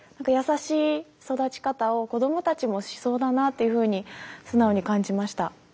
優しい育ち方を子どもたちもしそうだなっていうふうに素直に感じました。